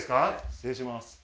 失礼します